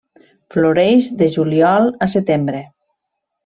Floreix de juliol a setembre.